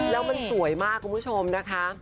แล้วมันสวยมากคุณผู้ชมนะคะ